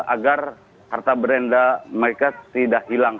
agar harta berenda mereka tidak hilang